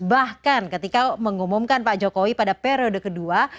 bahkan ketika mengumumkan pak jokowi pada periode kedua